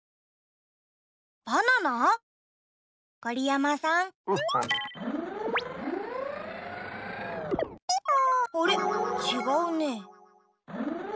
あれちがうね。